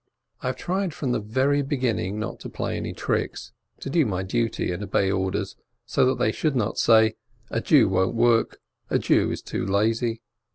I have tried from the very beginning not to play any tricks, to do my duty and obey orders, so that they should not say, "A Jew won't work — a Jew is too lazy."